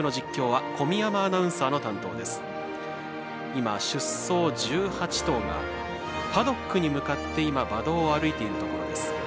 今、出走１８頭がパドックに向かって馬道を歩いているところです。